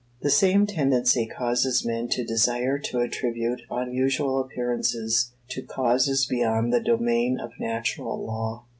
The same tendency causes men to desire to attribute unusual appearances to causes beyond the domain of natural law.